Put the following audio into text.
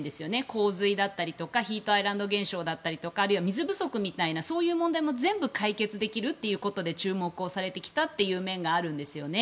洪水だったりヒートアイランド現象だったりあるいは水不足みたいなそういう問題も全部解決できるということで注目されてきた面があるんですよね。